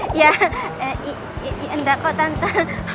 eh ya enggak kok tante